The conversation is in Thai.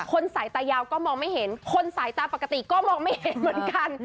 สายตายาวก็มองไม่เห็นคนสายตาปกติก็มองไม่เห็นเหมือนกัน